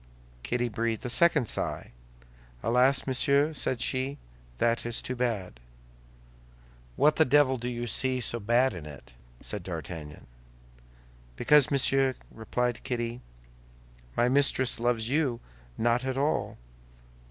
Kitty breathed a second sigh. "Alas, monsieur," said she, "that is too bad." "What the devil do you see so bad in it?" said D'Artagnan. "Because, monsieur," replied Kitty, "my mistress loves you not at all."